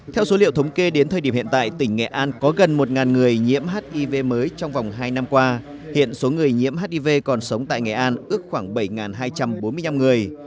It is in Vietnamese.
theo số liệu thống kê đến thời điểm hiện tại tỉnh nghệ an có gần một người nhiễm hiv mới trong vòng hai năm qua hiện số người nhiễm hiv còn sống tại nghệ an ước khoảng bảy hai trăm bốn mươi năm người